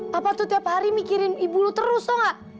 papa tuh tiap hari mikirin ibu lo terus tau gak